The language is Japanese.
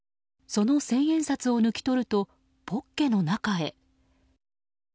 その千円札を抜き取るとポッケの中へ。